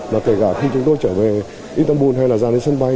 mà kể cả khi chúng tôi trở về istanbul hay là ra đến sân bay